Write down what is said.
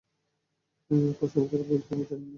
কসম করে বলছি, আমি জানি না।